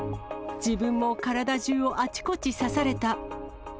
自分も体中をあちこち刺された。